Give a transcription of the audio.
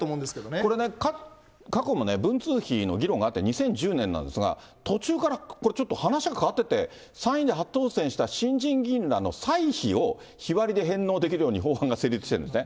これね、過去も文通費の議論があって、２０１０年なんですが、途中からこれ、ちょっと話が変わってって、参院で初当選した新人議員らの歳費を日割りで返納できるように法案が成立してるんですね。